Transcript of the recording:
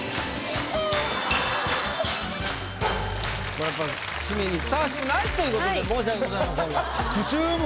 これやっぱり締めにふさわしくないということで申し訳ございませんが。